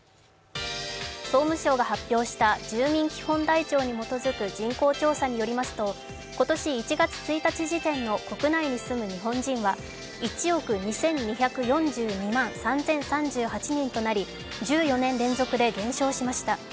総務省が発表した住民基本台帳に基づく人口調査によりますと、今年１月１日時点の、国内に住む日本人は１億２２４２万３０３８人となり１４年連続で減少しました。